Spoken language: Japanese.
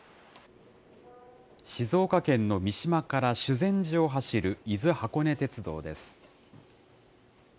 静岡県の三島から修善寺を走る伊豆箱根鉄道です。